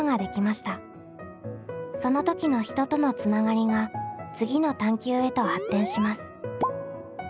その時の人とのつながりが次の探究へと発展します。